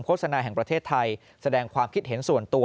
สนาแห่งประเทศไทยแสดงความคิดเห็นส่วนตัว